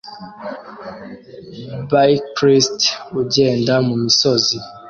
Bicylist ugenda mumisozi